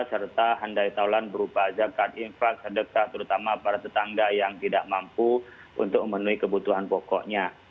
serta handai taulan berupa zakat infak sedekah terutama para tetangga yang tidak mampu untuk memenuhi kebutuhan pokoknya